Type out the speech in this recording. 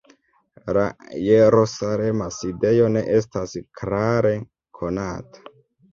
La jerusalema sidejo ne estas klare konata.